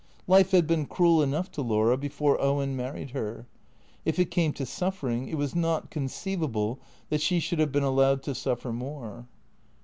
Life had been cruel enough to Laura, before Owen married her. If it came to suffering, it was not conceivable that she should have been allowed to suffer more.